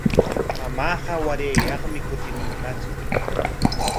Mamaama warayyaqmi kutimunqatsu.